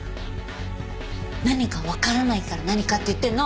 何かわからないから「何か」って言ってるの！